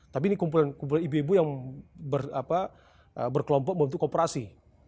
tapi ini kumpulan ibu ibu yang berkelompok untuk kooperasi